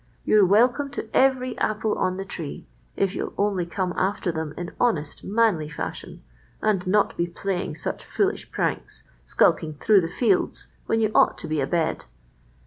You're welcome to every apple on the tree, if you'll only come after them in honest, manly fashion, and not be playing such foolish pranks, skulking through the fields when you ought to be abed.